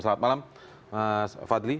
selamat malam mas fadli